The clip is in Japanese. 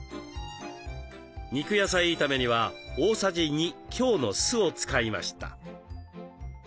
肉野菜炒めには大さじ２強の酢を使いました。